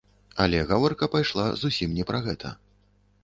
Але гаворка пайшла зусім не пра гэта.